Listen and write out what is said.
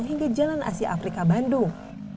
hingga jalan asia afrika bandung